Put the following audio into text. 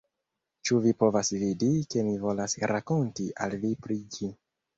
Ĉu vi povas vidi, ke mi volas rakonti al vi pri ĝi